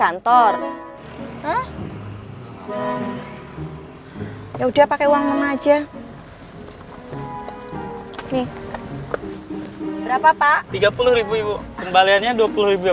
jangan jangan ketikalan deh ya pak jangan jangan ketikalan deh ya pak jangan jangan ketikalan deh ya pak